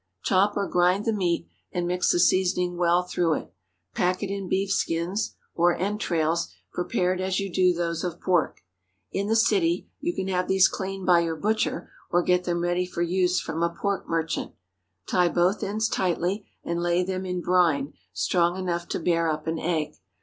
Chop or grind the meat, and mix the seasoning well through it. Pack it in beef skins (or entrails) prepared as you do those of pork. In the city, you can have these cleaned by your butcher, or get them ready for use from a pork merchant. Tie both ends tightly, and lay them in brine strong enough to bear up an egg.